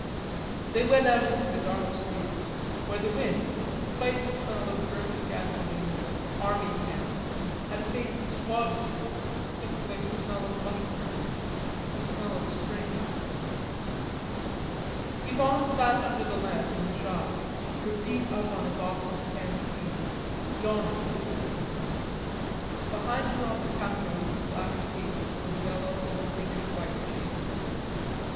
They went out into the dark streets, where the wind, despite the smell of burnt gasolene and army camps, had a faint suavity, something like the smell of mushrooms; the smell of spring. Yvonne sat under the lamp in the shop, her feet up on a box of canned peas, yawning dismally. Behind her on the counter was the glass case full of yellow and greenish white cheeses.